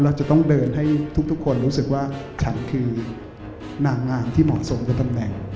เราจะต้องเดินให้ทุกคนรู้สึกว่าฉันคือนางงามที่เหมาะสมกับตำแหน่ง